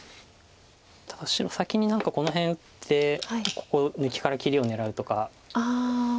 ただ白先に何かこの辺打ってここ抜きから切りを狙うとか。